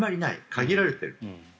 限られている。